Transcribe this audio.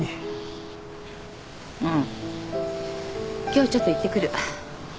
今日ちょっと行ってくる。